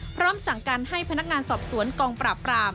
พร้อมสั่งการให้พนักงานสอบสวนกองปราบปราม